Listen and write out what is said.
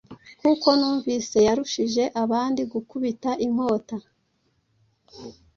nkuko numvise yarushije abandi gukubita inkota